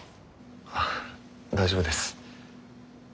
ああ大丈夫です。